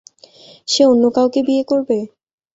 সে অন্য কাউকে বিয়ে করবে?